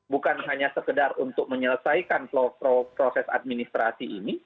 bukan hanya sekedar untuk menyelesaikan proses administrasi ini